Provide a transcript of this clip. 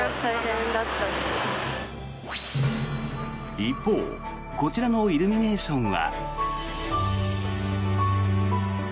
一方こちらのイルミネーションは。